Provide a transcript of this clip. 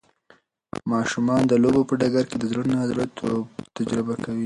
ماشومان د لوبو په ډګر کې د زړه نا زړه توب تجربه کوي.